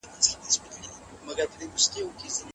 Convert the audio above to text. په افغانستان کې کلتور د هر زړه ارامي ده.